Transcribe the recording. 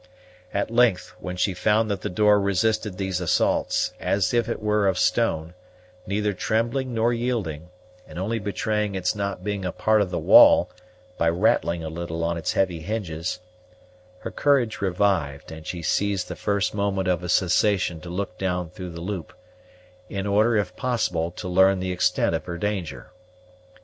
At length, when she found that the door resisted these assaults as if it were of stone, neither trembling nor yielding, and only betraying its not being a part of the wall by rattling a little on its heavy hinges, her courage revived, and she seized the first moment of a cessation to look down through the loop, in order, if possible, to learn the extent of her danger.